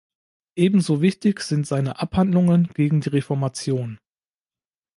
Ebenso wichtig sind seine Abhandlungen gegen die Reformation.